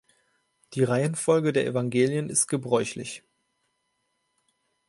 Die Reihenfolge der Evangelien ist gebräuchlich.